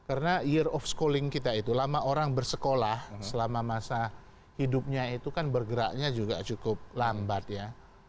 karena year of schooling kita itu lama orang bersekolah selama masa hidupnya itu kan bergeraknya juga cukup lambat ya